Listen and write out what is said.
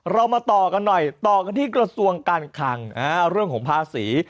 เรามาต่อกันหน่อยต่อกันที่กระทรวงการคังเรื่องของภาษี